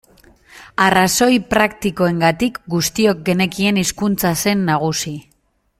Arrazoi praktikoengatik guztiok genekien hizkuntza zen nagusi.